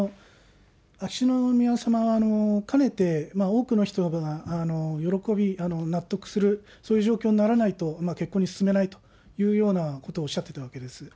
秋篠宮さまはかねて、多くの人が喜び、納得する、そういう状況にならないと、結婚に進めないというようなことをおっしゃっていたわけです。